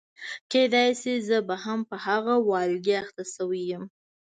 کېدای شي زه به هم په هغه والګي اخته شوې یم.